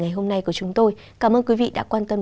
ngày hôm nay của chúng tôi cảm ơn quý vị đã quan tâm